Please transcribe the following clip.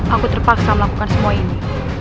aku terpaksa melakukan semua ini